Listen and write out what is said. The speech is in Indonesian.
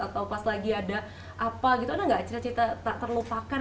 atau pas lagi ada apa gitu ada nggak cerita cerita tak terlupakan